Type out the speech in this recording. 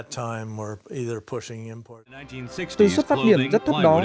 từ xuất phát điểm rất thấp đó